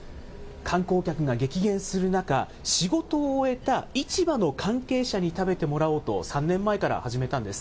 観光客が激減する中、仕事を終えた市場の関係者に食べてもらおうと、３年前から始めたんです。